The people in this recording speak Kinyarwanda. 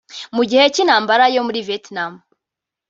Mu gihe cy’intambara yo muri Vietnam